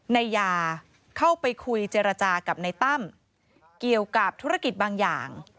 นายยาเข้าไปคุยเจรจากับในตั้มเกี่ยวกับธุรกิจบางอย่าง